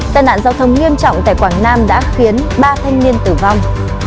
tai nạn giao thông nghiêm trọng tại quảng nam đã khiến ba thanh niên tử vong